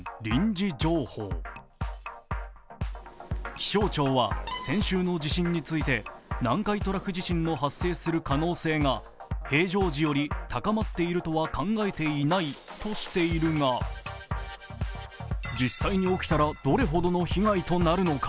気象庁は先週の地震について南海トラフ地震の発生する可能性が平常時より高まっているとは考えていないとしているが、実際に起きたらどれほどの被害となるのか？